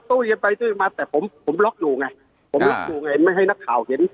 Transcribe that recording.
ก็ตู้แต่ผมล็อคอยู่ไม่ให้นักข่าวเห็น